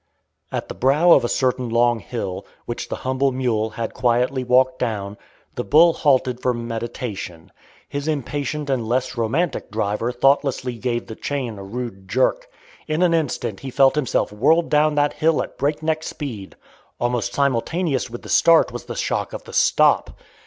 At the brow of a certain long hill, which the humble mule had quietly walked down, the bull halted for meditation. His impatient and less romantic driver thoughtlessly gave the chain a rude jerk. In an instant he felt himself whirled down that hill at breakneck speed. Almost simultaneous with the start was the shock of the stop.